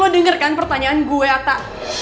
lo denger kan pertanyaan gue atta